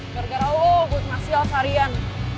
gara gara lo gue masih alsarian